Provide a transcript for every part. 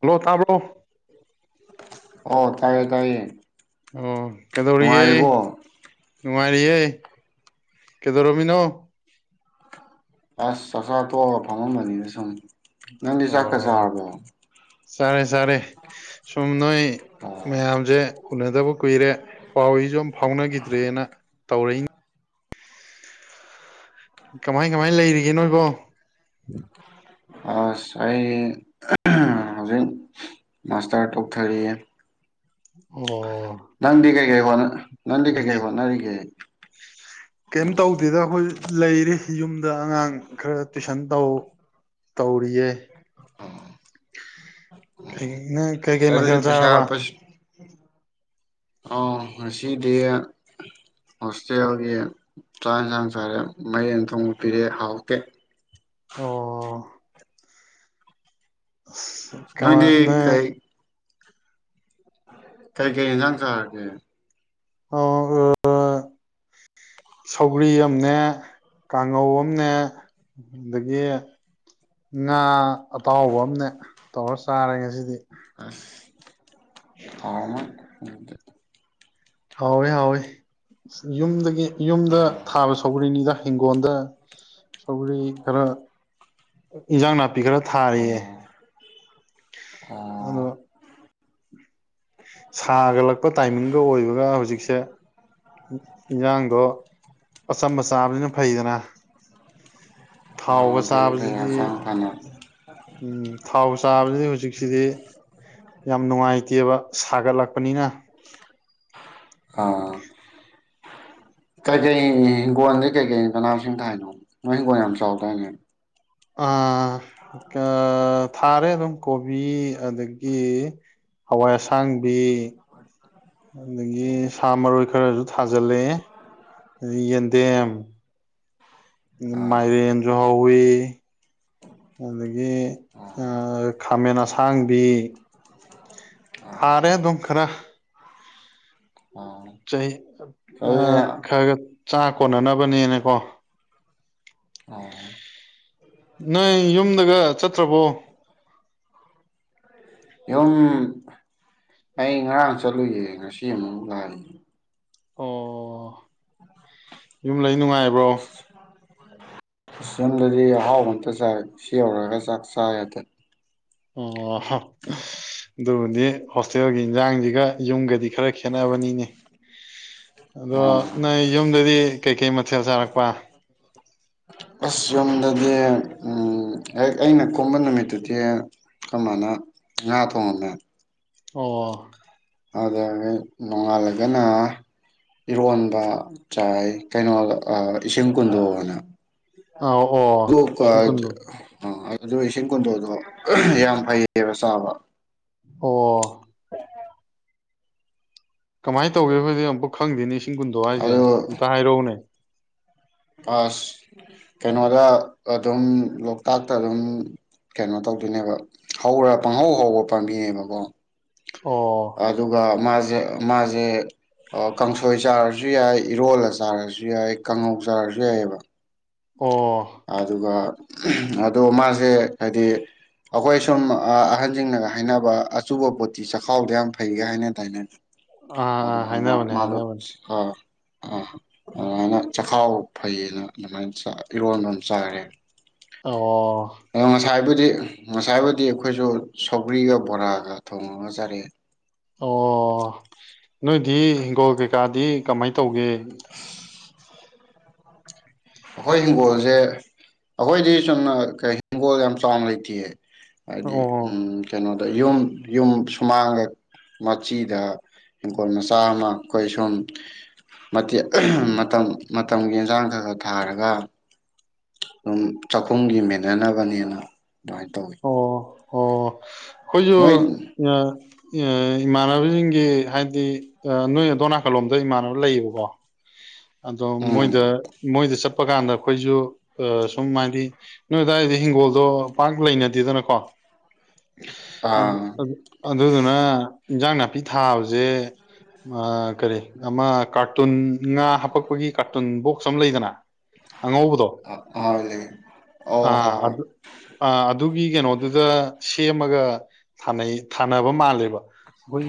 Hello ꯇꯥꯕ꯭ꯔꯣ ꯑꯣ ꯇꯥꯏꯌꯦ ꯇꯥꯏꯌꯦ ꯑꯣ ꯀꯩꯗꯧꯔꯤꯒꯦ ꯅꯨꯡꯉꯥꯏꯔꯤꯕꯣ ꯅꯨꯡꯉꯥꯏꯔꯤꯌꯦ ꯀꯩꯗꯧꯔꯝꯃꯤꯅꯣ ꯑꯁ ꯆꯥꯛꯆꯥ ꯇꯣꯛꯑꯒ ꯐꯝꯃꯝꯕꯅꯤꯅ ꯁꯨꯝ ꯅꯪꯗꯤ ꯆꯥꯛꯀ ꯑꯣ ꯆꯥꯔꯕꯣ ꯆꯥꯔꯦ ꯆꯥꯔꯦ ꯁꯨꯝ ꯅꯣꯏ ꯃꯌꯥꯝꯖꯦ ꯎꯅꯗꯕ ꯀꯨꯏꯔꯦ ꯄꯥꯎ ꯏ ꯖꯨꯝ ꯐꯥꯎꯅꯈꯤꯗ꯭ꯔꯦꯅ ꯇꯧꯔꯛꯏꯅꯤ ꯀꯃꯥꯏ ꯀꯃꯥꯏ ꯂꯩꯔꯤꯒꯦ ꯅꯣꯏꯕꯣ ꯑꯁ ꯑꯩ ꯍꯧꯖꯤꯛ ꯃꯥꯁꯇꯔ ꯇꯧꯊꯔꯤꯌꯦ ꯑꯣ ꯅꯪꯗꯤ ꯀꯩꯀꯩ ꯍꯣꯠꯅ ꯅꯪꯗꯤ ꯅꯤꯅꯦ ꯀꯩꯀꯩ ꯍꯣꯠꯅꯔꯤꯒꯦ ꯀꯩꯝ ꯇꯧꯗꯦꯗ ꯑꯩꯈꯣꯏ ꯂꯩꯔꯤ ꯌꯨꯝꯗ ꯑꯉꯥꯡ ꯈꯔ ꯇꯨꯏꯁꯟ ꯇꯧ ꯇꯧꯔꯤꯌꯦ [unintelligible] ꯅ ꯀꯩ ꯀꯩ ꯃꯊꯦꯜ ꯆꯥꯔꯕ ꯑꯥꯎ ꯉꯁꯤꯗꯤ ꯍꯣꯁꯇꯦꯜꯒꯤ ꯆꯥꯛ ꯌꯦꯟꯁꯥꯡ ꯆꯥꯔꯦ ꯃꯥꯏꯔꯦꯟ ꯊꯣꯡꯕ ꯄꯤꯔꯛꯑꯦ ꯍꯥꯎꯇꯦ ꯑꯣ ꯀꯃ ꯅꯣꯏꯗꯤ ꯅ ꯀꯩ ꯀꯩ ꯍꯤꯟꯖꯥꯡ ꯆꯔꯒꯦ ꯑ ꯑ ꯁꯧꯒ꯭ꯔꯤ ꯑꯃꯅꯦ ꯀꯥꯡꯉꯧ ꯑꯃꯅꯦ ꯑꯗꯒꯤ ꯉꯥ ꯑꯇꯥꯎꯕ ꯑꯃꯅꯦ ꯇꯧꯔ ꯆꯥꯔꯦ ꯉꯁꯤꯗꯤ ꯑꯁ ꯍꯥꯎꯔꯝ ꯃꯣꯢ ꯑꯗ ꯍꯥꯎꯋꯦ ꯍꯥꯎꯋꯦ ꯌꯨꯝꯗꯒꯤ ꯌꯨꯝꯗ ꯊꯥꯕ ꯁꯧꯒ꯭ꯔꯤꯅꯤꯗ ꯍꯤꯡꯒꯣꯟꯗ ꯁꯧꯒꯔꯤ ꯈꯔ ꯏꯟꯖꯥꯡ ꯅꯥ ꯄꯤ ꯈꯔ ꯊꯥꯔꯤꯌꯦ ꯑꯣ ꯑꯗꯣ ꯁꯥ ꯒꯠꯂꯛꯄ ꯇꯥꯏꯃꯤꯡꯒ ꯑꯣꯏꯕꯒ ꯍꯧꯖꯤꯛꯁꯦ ꯏꯟꯁꯥꯡꯗꯣ ꯑꯆꯝꯕ ꯆꯥꯕꯁꯤꯅ ꯐꯩꯗꯅ ꯑ ꯊꯥꯎꯒ ꯐꯩꯌꯦ ꯐꯩꯌꯦ ꯆꯥꯕꯁꯤꯗꯤ ꯍꯛꯆꯥꯡ ꯐꯅ ꯎꯝ ꯊꯥꯎ ꯆꯥꯕꯁꯤꯗꯤ ꯍꯧꯖꯤꯛꯁꯤꯗꯤ ꯌꯥꯝ ꯅꯨꯡꯉꯥꯏꯇꯦꯕ ꯁꯥꯒꯠꯂꯛꯄꯅꯤꯅ ꯑꯥ ꯀꯩꯀꯩ ꯍꯤꯡꯒꯣꯜꯗꯤ ꯀꯩꯀꯩ ꯃꯅꯃꯁꯤꯡ ꯊꯥꯏꯅꯣ ꯅꯣꯏ ꯍꯤꯡꯒꯣꯜ ꯌꯥꯝ ꯆꯥꯎꯗꯥꯏꯅꯦ ꯑ ꯀ ꯊꯥꯔꯦ ꯑꯗꯨꯝ ꯀꯣꯕꯤ ꯑꯗꯒꯤ ꯍꯋꯥꯏ ꯑꯁꯥꯡꯕꯤ [inaudible] ꯑꯗꯒꯤ ꯁꯥ ꯃꯔꯣꯏ ꯈꯔꯁꯨ ꯊꯥꯖꯤꯜꯂꯦ ꯌꯦꯟꯗꯦꯝ ꯑꯥ ꯃꯥꯏꯔꯦꯟꯖꯨ ꯍꯧ ꯋꯤ ꯑꯗꯒꯤ ꯑ ꯑꯥ ꯈꯥꯃꯦꯟ ꯑꯁ ꯁꯥꯡꯕꯤ ꯊꯥꯔꯦ ꯑꯗꯨꯝ ꯈꯔ ꯑꯣ ꯆꯍꯤ ꯑ ꯑꯗꯨꯗꯤ ꯈꯔꯒ ꯆꯥꯛ ꯀꯣꯟꯅꯅꯕꯅꯦꯅꯀꯣ ꯑ ꯅꯣꯏ ꯌꯨꯝꯗꯒ ꯆꯠꯇ꯭ꯔꯕꯣ ꯌꯨꯝ ꯑꯩ ꯉꯔꯥꯡ ꯆꯠꯂꯨꯌꯦ ꯉꯁꯤ ꯑꯃꯨꯛ ꯂꯥꯛꯏ ꯑꯣ ꯌꯨꯝ ꯂꯩ ꯅꯨꯡꯉꯥꯏ ꯕ꯭ꯔꯣ ꯑꯁꯨꯝꯗꯗꯤ ꯑꯍꯥꯎ ꯑꯝꯇ ꯆꯥꯏ ꯁꯤ ꯌꯧꯔꯒ ꯆꯥꯛ ꯆꯥ ꯌꯥꯗꯦ ꯑꯣ ꯑꯗꯨꯕꯨꯗꯤ ꯍꯣꯁꯇꯦꯜꯒꯤ ꯏꯟꯁꯥꯡꯁꯤꯒ ꯌꯨꯝꯒꯗꯤ ꯈꯔ ꯈꯦꯠꯅꯕꯅꯤꯅꯦ ꯑꯗꯣ ꯑꯥ ꯅꯣꯏ ꯌꯨꯝꯗꯗꯤ ꯀꯩꯀꯩ ꯃꯊꯦꯜ ꯆꯥꯔꯛꯄ ꯑꯁ ꯌꯨꯝꯗꯗꯤ ꯎꯝ ꯍꯦꯛ ꯑꯩꯅ ꯀꯨꯝꯕ ꯅꯨꯃꯤꯠꯇꯨꯗꯤ ꯑꯈꯣꯏ ꯃꯅꯥ ꯉꯥ ꯊꯣꯡꯉꯝꯃꯦ ꯑꯣ ꯑ ꯅꯣꯡꯉꯥꯜꯂꯒꯅ ꯏꯔꯣꯟꯕ ꯆꯥꯏ ꯀꯩꯅꯣ ꯏꯁꯤꯡ ꯀꯨꯟꯗꯣꯅ ꯑꯥꯎ ꯑꯣ ꯂꯤꯁꯤꯡ ꯀꯨꯟꯗꯣ [unintelligible] ꯑꯗꯨ ꯏꯁꯤꯡ ꯀꯨꯟꯗꯣꯗꯣ ꯌꯥꯝ ꯐꯩꯌꯦꯕ ꯆꯥꯕ ꯑꯣ [inaudible] ꯀꯃꯥꯏꯅ ꯇꯧꯒꯦꯕꯣꯏꯗꯤ ꯑꯃꯨꯛ ꯈꯪꯗꯦꯅꯦ ꯏꯁꯤꯡ ꯀꯨꯟꯗꯣ ꯍꯥꯏꯁꯦ ꯑꯗꯨ ꯑꯝꯇ ꯍꯥꯏꯔꯛꯎꯅꯦ ꯑꯁ ꯀꯩꯅꯣꯗ ꯑꯗꯨꯝ ꯂꯣꯛꯇꯥꯛꯇ ꯑꯗꯨꯝ ꯀꯩꯅꯣ ꯇꯧꯗꯣꯏꯅꯦꯕ ꯍꯧꯔ ꯄꯥꯡꯍꯧ ꯍꯧꯕ ꯄꯥꯝꯕꯤꯅꯦꯕꯀꯣ ꯑꯣ ꯑꯗꯨꯒ ꯃꯥ ꯃꯥꯁꯦ ꯀꯥꯡꯁꯣꯏ ꯆꯥꯔꯁꯨ ꯌꯥꯏ ꯏꯔꯣꯜꯂ ꯆꯥꯔꯁꯨ ꯌꯥꯏ ꯀꯥꯡꯉꯧ ꯆꯔꯁꯨ ꯌꯥꯏꯑꯕ ꯑꯣ ꯑꯗꯨꯒ ꯑꯗꯣ ꯃꯥꯁꯦ ꯍꯥꯏꯗꯤ ꯑꯩꯈꯣꯏ ꯁꯨꯝ ꯑꯍꯟꯁꯤꯡꯅꯒ ꯍꯥꯏꯅꯕ ꯑꯆꯨꯕ ꯄꯣꯠꯇꯤ ꯆꯈꯥꯎꯗ ꯌꯥꯝ ꯐꯩꯒ ꯍꯥꯏꯅ ꯇꯥꯏꯅ ꯑꯗꯨ ꯑꯥ ꯃꯥꯥꯟꯅ ꯍꯥꯏꯅꯕꯅꯦ ꯃꯥꯗꯣ ꯍꯥꯏꯅꯕꯅꯦ ꯑ ꯑ ꯑꯗꯨꯃꯥꯏꯅ ꯆꯈꯥꯎ ꯐꯩꯌꯦꯅ ꯑꯗꯨꯃꯥꯏꯅ ꯆ ꯏꯔꫭꯟꯕ ꯑꯃꯅꯦ ꯆꯥꯔꯦ ꯑꯣ [unintelligible] ꯉꯁꯥꯏꯕꯨꯗꯤ ꯉꯁꯥꯏꯕꯨꯗꯤ ꯑꯩꯈꯣꯏꯁꯨ ꯁꯧꯒ꯭ꯔꯤꯒ ꯕꯣꯔꯥꯒ ꯊꯣꯡꯉꯒ ꯆꯥꯔꯛꯑꯦ꯫ ꯑꯣ ꯅꯣꯏꯗꯤ ꯍꯤꯡꯒꯣꯜ ꯀꯩꯀꯥꯗꯤ ꯀꯃꯥꯏ ꯇꯧꯒꯦ꯫ ꯑꯩꯈꯣꯏ ꯍꯤꯡꯒꯣꯜꯁꯦ ꯑꯩꯈꯣꯏꯗꯤ ꯆꯨꯝꯅ ꯀ ꯍꯤꯡꯒꯣꯜ ꯌꯥꯝ ꯆꯥꯎꯅ ꯂꯩꯇꯦꯌꯦ꯫ ꯍꯥꯏꯗꯤ ꯑꯣ ꯎꯝ ꯀꯩꯅꯣ ꯃꯌꯨꯝ ꯌꯨꯝ ꯁꯨꯃꯥꯡꯒ ꯃꯆꯤꯗ ꯍꯪꯈꯣꯜ ꯃꯆꯥ ꯑꯃ ꯑꯩꯈꯣꯏ ꯁꯨꯝ ꯃꯇꯝ ꯃꯇꯝꯒꯤ ꯏꯟꯖꯥꯡ ꯈ ꯈ ꯊꯥꯔꯒ ꯑꯗꯨꯝ ꯆꯥꯛꯈꯨꯝꯒꯤ ꯃꯦꯟꯖꯅꯕꯅꯦꯅ ꯑꯗꯨꯃꯥꯏꯅ ꯇꯧꯋꯤ꯫ ꯑꯣ ꯍꯣꯏꯁꯨ ꯅꯣꯏ [unintelligible] ꯏꯃꯥꯟꯅꯕꯁꯤꯡꯒꯤ ꯍꯥꯏꯗꯤ ꯅꯣꯏ ꯑꯗꯣ ꯅꯥꯀꯜꯂꯣꯝꯗ ꯏꯃꯥꯟꯅꯕ ꯂꯩꯌꯦꯕꯀꯣ꯫ ꯑꯗꯣ ꯃꯣꯏꯗ ꯎꯝ ꯃꯣꯏꯗ ꯆꯞ ꯆꯠꯄ ꯀꯥꯟꯗ ꯑꯩꯈꯣꯏꯁꯨ ꯑ ꯁꯨꯝ ꯍꯥꯏꯗꯤ ꯅꯣꯏ ꯑꯗꯨꯋꯥꯏꯗꯤ ꯍꯤꯡꯒꯣꯜꯗꯣ ꯄꯥꯛ ꯂꯩꯅꯗꯦꯗꯅꯀꯣ꯫ ꯑꯗ ꯑꯥ ꯑꯗꯨ ꯑꯗꯨꯅ ꯏꯟꯖꯥꯡ ꯅꯥꯄꯤ ꯊꯥꯕꯁꯦ ꯑꯥ ꯀꯔꯤ ꯑꯃ ꯀꯥꯔꯇꯨꯟ ꯉꯥ ꯍꯥꯄꯛꯄꯒꯤ ꯀꯥꯔ [unintelligible] ꯕꯣꯛꯁ ꯑꯃ ꯂꯩꯗꯅ꯫ ꯑꯉꯧꯕꯗꯣ ꯑꯥ ꯂꯩ ꯑꯣ ꯑꯥ ꯍꯣꯏ ꯍꯣꯏ ꯑꯥꯗꯨ ꯑꯥ ꯑꯗꯨꯒꯤ ꯀꯩꯅꯣꯗꯨꯗ ꯁꯦꯝꯃꯒ ꯊꯥꯅꯩ ꯊꯥꯅꯕ ꯃꯥꯜꯂꯦꯕ ꯑꯩꯈꯣꯏ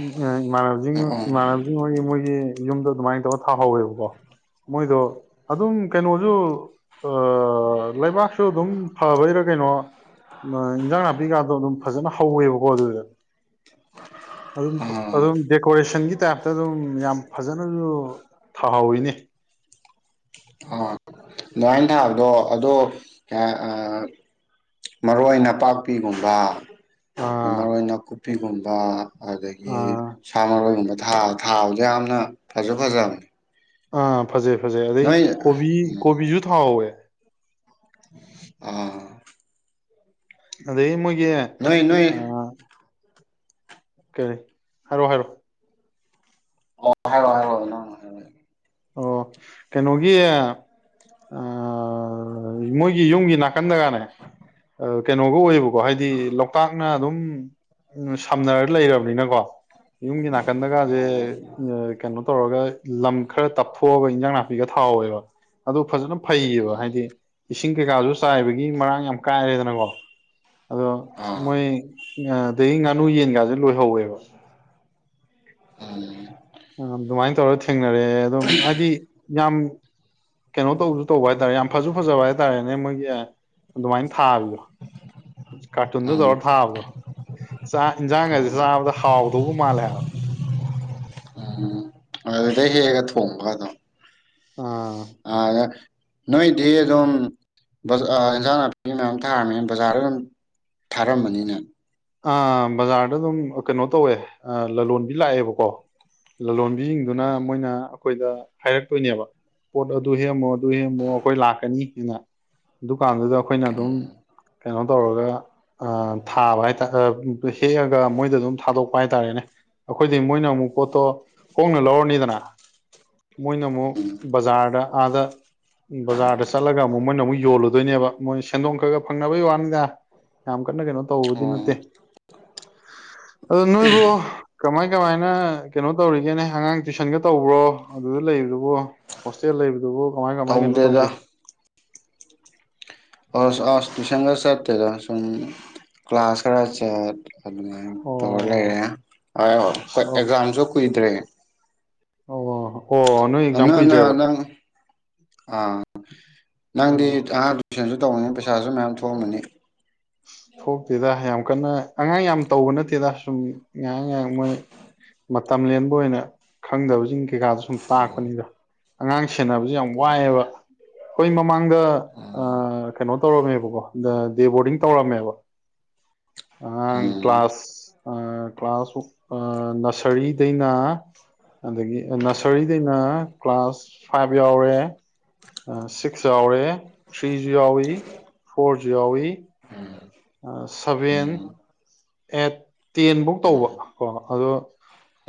ꯏꯃꯥꯟꯅꯕꯁꯤꯡ ꯎꯝ ꯏꯃꯥꯟꯅꯕꯁꯤꯡ ꯍꯣꯏꯒꯤ ꯃꯣꯏꯒꯤ ꯌꯨꯝꯗꯣ ꯑꯗꯨꯃꯥꯏꯅ ꯇꯧꯔ ꯊꯥꯍꯧꯋꯦꯕꯀꯣ ꯃꯣꯏꯗꯣ ꯑꯗꯨꯝ ꯀꯩꯅꯣꯁꯨ ꯂꯩꯕꯥꯛꯁꯨ ꯑꯗꯨꯝ ꯐꯕꯩꯔꯥ ꯀꯩꯅꯣ ꯏꯟꯖꯥꯡ ꯅꯥꯄꯤꯀꯥꯟꯗꯣ ꯑꯗꯨꯝ ꯐꯖꯅ ꯍꯧꯋꯦꯕ [unintelligible] ꯗꯨꯗ ꯑꯗꯨꯝ ꯎꯝ ꯑꯗꯨꯝ ꯗꯦꯀꯣꯔꯦꯁꯟꯒꯤ ꯇꯥꯏꯞꯇ ꯑꯗꯨꯝ ꯌꯥꯝ ꯐꯖꯅꯁꯨ ꯊꯥꯍꯧꯋꯤꯅꯦ ꯑꯥ ꯑꯗꯨꯃꯥꯏꯅꯥ ꯊꯥꯕꯗꯣ ꯑꯗꯣ ꯃꯔꯣꯏ ꯅꯄꯥꯛꯄꯤꯒꯨꯝꯕ ꯑꯥ ꯃꯥꯔꯣꯏ ꯅꯥꯀꯨꯞ ꯅꯥꯀꯨꯞꯄꯤꯒꯨꯝꯕ ꯑꯗꯨꯗꯒꯤ ꯑꯥ ꯁꯥ ꯃꯔꯣꯏꯒꯨꯝꯕ ꯊꯥꯕꯗ ꯌꯥꯝꯅ ꯐꯖ ꯐꯖꯕꯅꯦ ꯑꯥ ꯐꯖꯩ ꯐꯖꯩ ꯑꯗꯩ ꯅꯣꯏ ꯀꯣꯕꯤ ꯎꯝ ꯀꯣꯕꯤꯁꯨ ꯊꯥꯍꯧꯋꯦ ꯑꯥ ꯑꯗꯩ ꯃꯣꯏ ꯒꯤ ꯅꯣꯏ ꯅꯣꯏ ꯑꯥ ꯀꯔꯤ ꯍꯥꯏꯔꯣ ꯍꯥꯏꯔꯣ ꯑꯣ ꯍꯥꯏꯔꯣ ꯍꯥꯏꯔꯣ [unintelligible] ꯑꯣ ꯀꯩꯅꯣꯒꯤ ꯑꯥ ꯃꯣꯏꯒꯤ ꯌꯨꯝꯒꯤ ꯅꯥꯀꯟꯗꯒꯅꯦ ꯀꯩꯅꯣꯒ ꯎꯏꯌꯦꯕ ꯀꯣ ꯍꯥꯏꯗꯤ ꯂꯣꯛꯇꯥꯛꯅ ꯑꯗꯨꯝ ꯁꯝꯅꯔ ꯂꯩꯔ ꯅꯤꯅꯀꯣ ꯌꯨꯝꯒꯤ ꯅꯥꯀꯟꯗꯒꯖꯦ ꯍꯥꯏꯔꯛꯑꯣ ꯑꯣ ꯀꯩꯅꯣ ꯇꯧꯔꯒ ꯂꯝ ꯏꯟꯁꯥꯡ ꯅꯥꯄꯤꯒ ꯊꯥꯍꯧꯋꯦꯕ ꯑꯗꯣ ꯐꯖꯅ ꯐꯩꯌꯦꯕ ꯍꯥꯏꯗꯤ ꯏꯁꯤꯡ ꯀꯩꯀꯥꯁꯨ ꯆꯥꯏꯕꯒꯤ ꯃꯔꯥꯡ ꯌꯥꯝ ꯀꯥꯏꯔꯦꯗꯅꯀꯣ꯫ ꯑꯗꯣ ꯑꯥ ꯃꯣꯏ꯫ ꯑꯗꯒꯤ ꯉꯥꯅꯨ ꯌꯦꯟꯒꯥꯥꯖꯦ ꯂꯣꯏꯍꯧꯋꯦꯕ꯫ ꯑ꯫ ꯑꯗꯨꯃꯥꯏ ꯇꯧꯔꯒ- ꯊꯦꯡꯅꯔꯑꯦ ꯑꯗꯨꯝ ꯍꯥꯏꯗꯤ ꯌꯥꯝ- ꯀꯩꯅꯣ ꯇꯧꯁꯨ ꯇꯧꯕ ꯍꯥꯏꯇꯥꯔꯦ ꯌꯥꯝ ꯐꯖ ꯐꯖꯕ ꯍꯥꯏꯇꯥꯔꯦꯅꯦ ꯃꯣꯏꯒꯤ ꯑꯗꯨꯃꯥꯏꯅ ꯊꯥꯕꯤꯗꯣ꯫ ꯀꯥꯔꯇꯨꯟꯗ ꯎꯝ ꯇꯧꯔ ꯊꯥꯕꯗꯣ ꯆꯥꯛ ꯏꯟꯖꯥꯡꯒꯁꯦ ꯍꯣꯏ ꯆꯥꯕꯗ ꯍꯥꯎꯗꯧꯕ ꯃꯥꯜꯂꯦ ꯍꯥꯏꯕ꯫ ꯑ- ꯑꯗꯨꯗꯩ ꯍꯦꯛꯑꯥꯒ ꯊꯣꯡꯕꯒ ꯊꯣꯡꯕꯥ ꯑꯗꯨꯝ꯫ ꯑꯥ ꯑꯥꯗ꯫ ꯅꯣꯏꯗꯤ ꯑꯗꯨꯝ ꯕꯖꯥ-ꯑ-ꯏꯟꯖꯥꯡ ꯅꯥꯄꯤ ꯃꯌꯥꯝ ꯊꯥꯔꯃꯦꯅ ꯕꯖꯥꯔꯗ ꯑꯗꯨꯝ ꯊꯥꯔꯝꯃꯅꯤꯅꯦ꯫ ꯑ ꯕꯖꯥꯔꯗ ꯑꯗꯨꯝ ꯀꯩꯅꯣ ꯇꯧꯋꯦ ꯑ-ꯂꯂꯣꯟꯕꯤ ꯂꯥꯛꯑꯦꯕꯀꯣ ꯂꯂꯣꯟ ꯁꯤꯡꯗꯨꯅ ꯃꯣꯏꯅ꯫ ꯈꯣꯏꯗ ꯍꯥꯏꯔꯛꯇꯣꯏꯅꯦꯕ ꯄꯣꯠ ꯑꯗꯨ ꯍꯦꯛꯑꯝꯃꯣ ꯑꯗꯨ ꯍꯦꯛꯑꯝꯃꯣ ꯑꯩꯈꯣꯏ ꯂꯥꯛꯀꯅꯤꯅ ꯀꯥꯟꯗꯨꯗ ꯑꯩꯈꯣꯏꯅ ꯑꯗꯨꯝ꯫ ꯎꯝ ꯀꯩꯅꯣ ꯇꯧꯔꯒ꯫ ꯑ ꯊꯥꯕ ꯍꯥꯏ [unintelligible] ꯍꯦꯛꯑꯒ ꯃꯣꯏꯗ ꯑꯗꯨꯝ ꯊꯥꯗꯣꯛꯄ ꯍꯥꯏꯇꯥꯔꯦꯅꯦ ꯑꯩꯈꯣꯏꯗꯩ ꯃꯣꯏꯅ ꯑꯃꯨꯛ ꯄꯣꯠꯇꯣ ꯍꯣꯡꯅ ꯂꯧꯔꯅꯤꯗꯅ꯫ ꯃꯣꯏꯅ ꯑꯃꯨꯛ ꯕꯖꯥꯔꯗ꯫ ꯑꯥꯗ꯫ ꯕꯖꯥꯔꯗ ꯆꯠꯂꯒ ꯑꯃꯨꯛ ꯃꯣꯏꯅ ꯑꯃꯨꯛ ꯌꯣꯜꯂꯨ [unintelligible] ꯅꯦꯕ ꯃꯣꯏ ꯁꯦꯟꯗꯣꯡ ꯈꯔ ꯈꯔ ꯐꯪꯅꯕꯩ ꯋꯥꯅꯤꯗ ꯌꯥꯝ [unintelligible] ꯀꯩꯅꯣ ꯇꯧꯕꯗꯤ ꯅꯠ ꯑꯣ ꯑꯗꯨ ꯅꯣꯏꯕꯨ꯫ ꯀꯃꯥꯏ ꯀꯃꯥꯏꯅ ꯀꯩꯅꯣ ꯇꯧꯔꯤꯒꯦꯅꯦ ꯑꯉꯥꯡ ꯇꯨꯏꯁꯟꯒ ꯇꯧꯕ꯭ꯔꯣ ꯑꯗꯨꯗ ꯂꯩꯗꯨꯕꯨ ꯍꯣꯁꯇꯦꯜ ꯂꯩꯕꯗꯨꯕꯨ ꯀꯃꯥꯏ ꯀꯃꯥꯏ ꯀꯩꯅꯣ ꯇꯧꯗꯦꯗ ꯇꯧꯒꯦ꯫ ꯑꯁ-ꯑꯁ ꯇꯨꯏꯁꯟꯒ ꯆꯠꯇꯦꯗ ꯁꯨꯝ ꯀ꯭ꯂꯥꯁ ꯈꯔ ꯆꯠ꯫ ꯑꯗꯨꯃꯥꯏ ꯑꯣ ꯇꯧꯔ ꯂꯩꯔꯦ ꯑꯗꯣ ꯑꯁ ꯑꯦꯛꯖꯥꯝꯁꯨ ꯀꯨꯏꯗ꯭ꯔꯦ꯫ [inaudible] ꯑꯣ ꯑꯣ ꯅꯣꯏ ꯑꯦꯛꯖꯥꯝ ꯅ ꯅ ꯀꯨꯏꯗ꯭ꯔꯦꯕ ꯅꯪ ꯑꯥ ꯅꯪꯗꯤ ꯑꯣ ꯑꯉꯥꯡ ꯇꯨꯏꯁꯟꯁꯨ ꯇꯧꯕꯅꯤꯅ ꯄꯩꯁꯥꯁꯨ ꯃꯌꯥꯝ ꯊꯣꯛꯑꯝꯃꯅꯤ꯫ ꯊꯣꯛꯇꯦꯗ ꯌꯥꯝ ꯀꯟꯅ ꯑꯉꯥꯡ ꯌꯥꯝ ꯇꯧꯕ ꯅꯠꯇꯦꯗ ꯁꯨꯝ ꯉꯥꯏꯍꯥꯛ ꯉꯥꯏꯍꯥꯛ ꯃꯣꯏ ꯃꯇꯝ ꯂꯦꯟꯕ ꯑꯣꯏꯅ ꯈꯪꯗꯕꯁꯤꯡ ꯀꯩꯀꯥꯗꯣ ꯁꯨꯝ ꯇꯥꯛꯄꯅꯤꯗ꯫ ꯑꯉꯥꯡ ꯁꯦꯟꯅꯕꯁꯦ ꯌꯥꯝ ꯋꯥꯏꯑꯦꯕ꯫ ꯍꯣꯏ ꯃꯝ ꯃꯃꯥꯡꯗ ꯎꯝ ꯑꯥ ꯀꯩꯅꯣ ꯇꯧꯔꯝꯃꯦꯕꯀꯣ ꯗ ꯗꯦ ꯕꯣꯔꯗꯤꯡ ꯇꯧꯔꯝꯃꯦꯕ ꯑꯉꯥꯡ ꯎꯝ ꯀ꯭ꯂꯥꯁ ꯑꯥ ꯀ꯭ꯂꯥꯁ ꯑꯥ ꯅꯁꯔꯤꯗꯩꯅ ꯑꯗꯒꯤ ꯅꯁꯔꯤꯗꯩꯅ ꯀ꯭ꯂꯥꯁ ꯐꯥꯏꯚ ꯌꯥꯎꯔꯦ꯫ ꯁꯤꯛ ꯌꯥꯎꯔꯦ ꯊ꯭ꯔꯤꯁꯨ ꯌꯥꯎꯋꯤ ꯐꯣꯔ ꯖꯨ ꯌꯥꯎꯏ ꯁꯚꯦꯟ ꯎꯝ ꯑꯦ ꯇꯦꯟꯕꯧ ꯇꯧꯕ ꯀꯣ ꯑꯗꯣ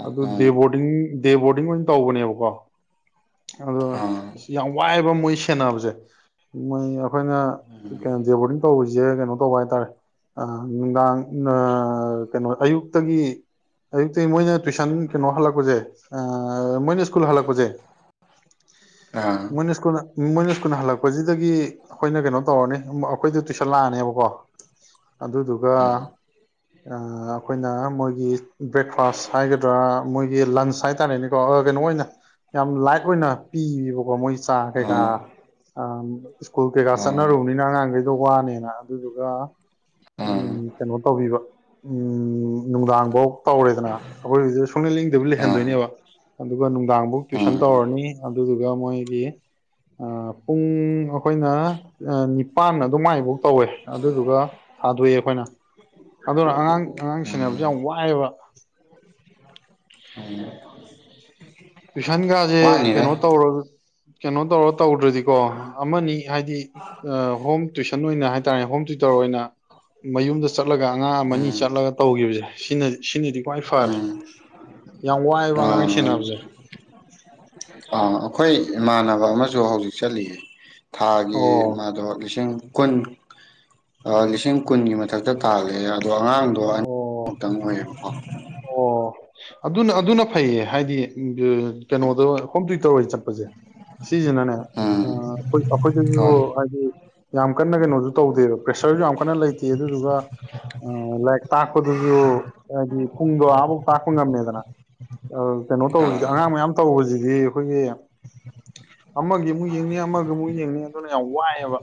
ꯑꯗꯨ ꯎꯝ ꯗꯦꯕꯣꯔꯗꯤꯡ ꯗꯦ ꯕꯣꯔꯗꯤꯡ ꯑꯣꯏꯅ ꯇꯧꯕꯅꯦꯕꯀꯣ ꯑꯗꯣ ꯎꯝ ꯑꯥ ꯌꯥꯝ ꯋꯥꯏꯕ ꯃꯣꯏ ꯁꯅꯕꯖꯦ ꯃꯣꯏ ꯑꯩꯈꯣꯏꯅ ꯎꯝ ꯀꯩꯅꯣ ꯖꯦꯕꯣꯔꯗꯤꯡ ꯇꯧꯕꯁꯦ ꯀꯩꯅꯣ ꯇꯧꯕ ꯍꯥꯏꯇꯥꯔꯦ ꯑ ꯅꯨꯡꯗꯥꯡ ꯅꯥ ꯀꯩꯅꯣ ꯑꯌꯨꯛꯇꯒꯤ ꯑꯗꯨꯛꯇ ꯃꯣꯏꯅ ꯇꯩꯅ ꯍ ꯃꯣꯏ ꯁꯀꯨ ꯍꯛ ꯑꯥ ꯎꯝ ꯃꯣꯏ ꯁꯨ ꯃꯣꯏ ꯁ ꯀꯨꯟ ꯍꯜꯂꯛꯄꯁꯤꯗꯒꯤ ꯑꯩꯈꯣꯏꯅ ꯀꯩꯅꯣ ꯇꯧꯔꯅꯤ ꯑꯩꯈꯣꯏꯗ ꯇꯨꯏꯁꯟ ꯂꯥꯛꯑꯅꯦꯕꯀꯣ ꯑꯗꯨꯗꯨꯒ ꯑꯩꯈꯣꯏꯅ ꯃꯣꯏꯒꯤ ꯕ꯭ꯔꯦꯛꯐꯥꯁ ꯍꯥꯏꯒꯗ꯭ꯔꯥ ꯃꯣꯏꯒꯤ ꯂꯟꯁ ꯍꯥꯏꯇꯥꯔꯦꯅꯦ [unintelligible] ꯀꯩꯅꯣ ꯑꯣꯏꯅ ꯌꯥꯝ ꯂꯥꯏ ꯑꯩꯈꯣꯏꯅ ꯄꯤꯕ ꯃꯣꯏ ꯆ ꯀꯩꯀꯥ ꯑꯥ ꯑ ꯁ꯭ꯀꯨꯜ ꯀꯩꯀꯥ ꯑꯥ ꯆꯠꯅꯔꯨꯕꯅꯤꯟ ꯑꯉꯥꯡꯈꯩ ꯋꯥꯅꯦꯅ ꯑꯗꯨꯗꯨꯒ ꯎꯝ ꯀꯩꯅꯣ ꯇꯧꯕꯤꯕ ꯎ ꯅꯨꯡꯗꯥꯡꯐꯧ ꯇꯧꯔꯦꯗꯅ ꯑꯩꯈꯣꯏ ꯍꯧ ꯁꯨꯡꯅ ꯂꯤꯡꯗꯕ ꯎꯝ ꯂꯩꯍꯟꯗꯣꯏꯅꯦꯕ ꯑꯗꯨꯒ ꯅꯨꯡꯗꯥꯡꯐꯧ ꯇꯨꯋꯏꯁꯟ ꯎꯝ ꯇꯧꯔꯅꯤ ꯑꯗꯨꯗꯨꯒ ꯃꯣꯏꯒꯤ ꯄꯨꯡ ꯑꯩꯈꯣꯏꯅ ꯅꯤꯄꯥꯟ ꯑꯗꯨꯃꯥꯏꯐꯧ ꯇꯧꯋꯦ ꯑꯗꯨꯗꯨꯒ ꯊꯥꯗꯣꯛꯑꯦ ꯑꯩꯈꯣꯏꯅ ꯑꯗꯨꯔ ꯑꯉꯥꯡ ꯑꯉꯥꯡ ꯁꯦꯟꯅꯕꯖꯦ ꯎꯝ ꯌꯥꯝ ꯋꯥꯏꯌꯦꯕ [unintelligible] ꯇꯨꯏꯁꯟꯒꯖꯦ ꯀꯩꯅꯣ ꯋꯥꯅꯤꯗ ꯇꯧꯔꯒ ꯀꯩꯅꯣ ꯇꯧꯔ ꯇꯧꯗ꯭ꯔꯗꯤꯀꯣ ꯑꯃꯅꯤ ꯍꯥꯏꯗꯤ ꯍꯣꯝ ꯇ꯭ꯋꯁꯟ ꯑꯣꯏꯅ ꯍꯥꯏꯇꯥꯔꯦ ꯍꯣꯝ ꯇ꯭ꯌꯨꯇꯔ ꯑꯣꯏꯅ ꯃꯌꯨꯝꯗ ꯆꯠ ꯆꯠꯂꯒ ꯑꯉꯥꯡ ꯑꯅꯤ ꯎꯝ ꯆꯠꯂꯒ ꯇꯧꯈꯤꯕꯖꯦ ꯁꯤꯅ ꯁꯤꯅꯗꯤ ꯈꯋ꯭ꯥꯏ ꯐꯔꯦ ꯎꯝ ꯌꯥꯝ ꯑꯥ ꯋꯥꯏꯌꯦꯕꯥ [unintelligible] ꯁꯦꯅꯕꯖꯦ ꯑꯥ ꯑꯩꯈꯣꯏ ꯏꯃꯥꯟꯅꯕ ꯑꯃꯁꯨ ꯍꯧꯖꯤꯛ ꯆꯠꯂꯤꯌꯦ ꯊꯥꯒꯤ ꯑꯣ ꯃꯥꯗꯣ ꯂꯤꯁꯤꯡ ꯀꯨꯟ ꯂꯤꯁꯤꯡ ꯀꯨꯟꯒꯤ ꯃꯊꯛꯇ ꯇꯥꯜꯂꯦ ꯑꯗꯣ ꯑꯉꯥꯡꯗꯣ ꯑꯣ ꯑꯅꯤꯃꯨꯛꯇꯪ ꯑꯣꯏꯌꯦꯕꯀꯣ ꯑꯣ ꯑꯗꯨꯅ ꯑꯗꯨꯅ ꯐꯩꯌꯦ ꯍꯥꯏꯗꯤ ꯀꯩꯅꯣꯗ ꯍꯣꯝ ꯇꯨꯏꯇꯔ ꯑꯣꯏꯅ ꯆꯠꯄꯁꯦ ꯁꯤꯁꯤꯅꯅꯦ ꯎꯝ ꯑꯩ ꯑꯩꯈꯣꯏꯗꯁꯨ ꯍꯣꯏ ꯍꯥꯏꯗꯤ ꯌꯥꯝ ꯀꯟꯅ ꯀꯩꯅꯣꯁꯨ ꯇꯧꯗꯦꯕ ꯄ꯭ꯔꯦꯁꯔꯁꯨ ꯌꯥꯝ ꯀꯟꯅ ꯂꯩꯇꯦ ꯑꯗꯨꯗꯨꯒ ꯑꯥ ꯂꯥꯏꯔꯤꯛ ꯇꯥꯛꯄꯗꯨꯁꯨ ꯍꯥꯏꯗꯤ ꯄꯨꯡꯗꯣ ꯑꯥꯕꯨꯛ ꯇꯥꯛꯄ ꯉꯝꯃꯦꯗꯅ ꯀꯩꯅꯣ ꯇꯧꯕꯁꯤꯗꯤ ꯑꯥ ꯑꯉꯥꯡ ꯃꯌꯥꯝ ꯇꯧꯕꯁꯤꯗꯤ ꯑꯩꯈꯣꯏꯒꯤ ꯑꯃꯒꯤ ꯑꯃꯨꯛ ꯌꯦꯡꯅꯤ ꯑꯃꯒꯤ ꯑꯃꯨꯛ ꯌꯦꯡꯅꯤ ꯑꯗꯨꯅ ꯌꯥꯝ ꯋꯥꯏꯑꯦꯕ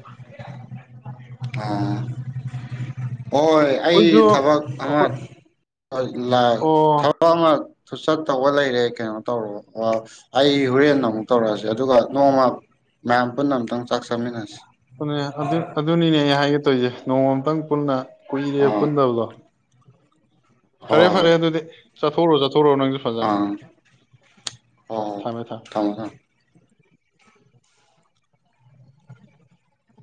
ꯑꯥ ꯍꯣꯏ ꯑꯩꯈꯣꯏꯁꯨ ꯑꯩ ꯊꯕꯛ ꯑꯃ ꯑꯩꯈꯣꯏ ꯂꯦꯛꯅꯦ ꯑꯣ ꯊꯕꯛ ꯑꯃ ꯊꯨꯆꯠ ꯇꯧꯕ ꯂꯩꯔꯦ ꯀꯩꯅꯣ ꯇꯧꯔꯣ ꯑꯩ ꯍꯣꯔꯦꯟ ꯑꯃꯨꯛ ꯇꯧꯔꯛꯑꯁꯦ ꯑꯗꯨꯒ ꯅꯣꯡꯃ ꯃꯌꯥꯝ ꯄꯨꯟꯅ ꯑꯃꯝꯇꯪ ꯆꯥꯛ ꯆꯥꯃꯤꯟꯅꯁꯤ ꯑꯗꯨꯅꯦ ꯑꯗꯨ ꯑꯗꯨꯅꯤꯅꯦ ꯑꯩ ꯍꯥꯏꯒꯦ ꯇꯧꯔꯤꯁꯦ ꯅꯣꯡꯃꯇꯪ ꯄꯨꯟꯅ ꯀꯨꯏꯔꯦ ꯑꯥ ꯄꯨꯟꯗꯕꯗꯣ ꯍꯣꯏ ꯐꯔꯦ ꯐꯔꯦ ꯍꯣꯏ ꯑꯗꯨꯗꯤ ꯆꯠꯊꯣꯛꯔꯣ ꯆꯠꯊꯣꯛꯔꯣ ꯅꯪꯖꯨ ꯐꯖꯅ ꯑꯥ ꯍꯣꯏ ꯍꯣꯏ ꯊꯝꯃꯦ ꯊꯝꯃꯦ ꯊꯝꯃꯣ ꯊꯝꯃꯣ